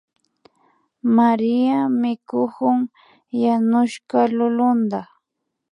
María mikukun yanushka lulunta